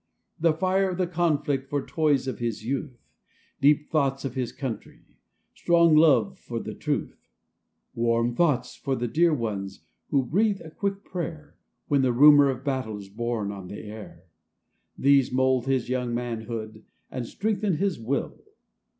The fire of the conflict for toys of his youth ; Deep thoughts of his Country ; strong love for the Truth ; Warm thoughts for the dear ones who breathe a quick prayer, When the rumor of battle is borne on the air ; These mould his young manhood, and strengthen his will.